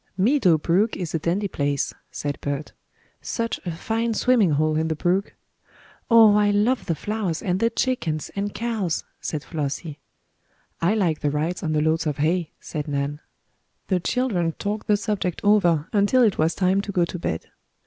"Meadow Brook is a dandy place," said Bert. "Such a fine swimming hole in the brook!" "Oh, I love the flowers, and the chickens and cows!" said Flossie. "I like the rides on the loads of hay," said Nan. The children talked the subject over until it was time to go to bed.